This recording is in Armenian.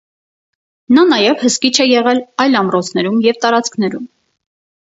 Նա նաև հսկիչ է եղել այլ ամրոցներում և տարածքներում։